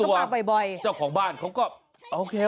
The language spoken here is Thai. ซึ่งตัวเจ้าของบ้านเขาก็โอเค